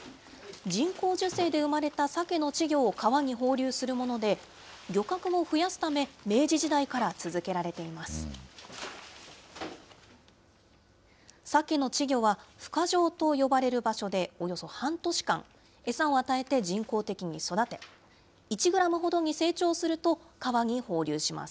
人工授精で生まれたサケの稚魚を川に放流するもので、漁獲を増やすため、明治時代から続けられています。